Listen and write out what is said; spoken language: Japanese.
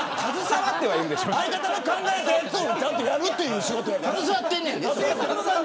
相方の考えたやつをちゃんとやるという仕事やから。